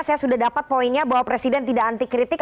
saya sudah dapat poinnya bahwa presiden tidak anti kritik